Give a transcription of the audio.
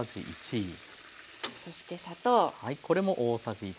そして砂糖。